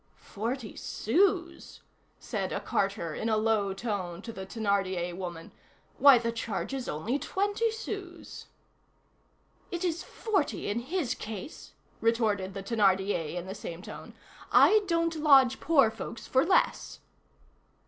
"Forty sous!" said a carter, in a low tone, to the Thénardier woman; "why, the charge is only twenty sous!" "It is forty in his case," retorted the Thénardier, in the same tone. "I don't lodge poor folks for less."